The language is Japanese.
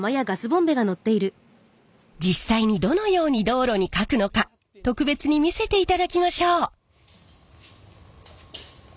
実際にどのように道路にかくのか特別に見せていただきましょう。